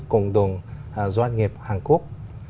cộng đồng doanh nghiệp hàn quốc